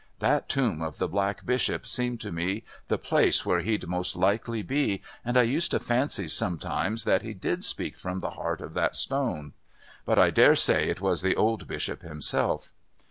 That tomb of the Black Bishop seemed to me the place where He'd most likely be, and I used to fancy sometimes that He did speak from the heart of that stone. But I daresay it was the old Bishop himself.